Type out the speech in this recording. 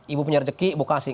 ibu punya rezeki ibu kasih